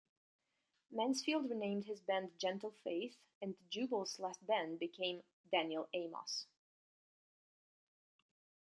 Mansfield renamed his band "Gentle Faith", and Jubal's Last Band became Daniel Amos.